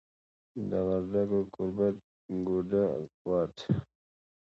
د وردګو ګوربت، ګوډه، خوات